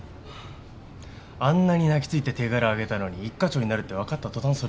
あんなに泣き付いて手柄をあげたのに一課長になるって分かった途端それかよ。